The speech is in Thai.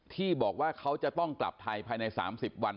ที่บอกว่าเขาจะต้องกลับไทยภายใน๓๐วัน